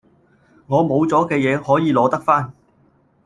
我冇咗嘅嘢可以攞得返